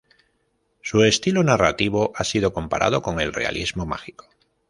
Su estilo narrativo ha sido comparado con el realismo mágico.